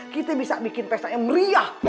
kita bisa bikin pesta yang meriah